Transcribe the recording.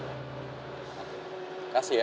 terima kasih ya